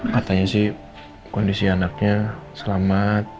katanya sih kondisi anaknya selamat